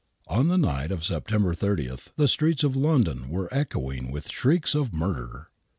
On the night of September 30 the streets of London were echoing with shrieks of murder.